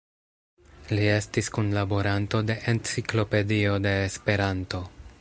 Li estis kunlaboranto de "Enciklopedio de Esperanto".